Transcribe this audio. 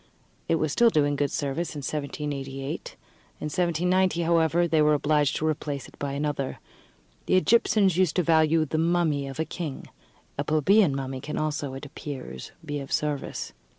It was still doing good service in 1788; in 1790, however, they were obliged to replace it by another. The Egyptians used to value the mummy of the king; a plebeian mummy can also, it appears, be of service.